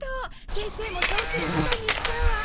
先生もそうすることにしたわ！